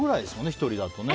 １人だとね。